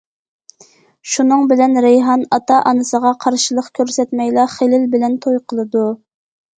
شۇنىڭ بىلەن رەيھان ئاتا- ئانىسىغا قارشىلىق كۆرسەتمەيلا خېلىل بىلەن توي قىلىدۇ.